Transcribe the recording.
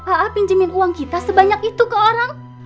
a pinjamin uang kita sebanyak itu ke orang